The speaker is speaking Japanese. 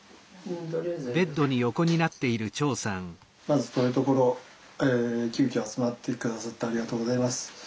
まず遠いところ急きょ集まって下さってありがとうございます。